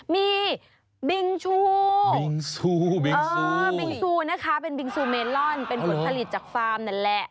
มีบิงชูบิงซูบิงบิงซูนะคะเป็นบิงซูเมลอนเป็นผลผลิตจากฟาร์มนั่นแหละ